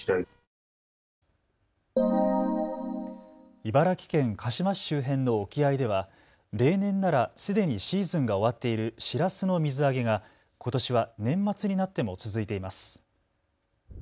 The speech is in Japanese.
茨城県鹿嶋市周辺の沖合では例年ならすでにシーズンが終わっているシラスの水揚げがことしは年末になっても続いています。